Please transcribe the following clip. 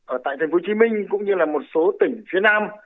ở tp hcm cũng như là một số tỉnh phía nam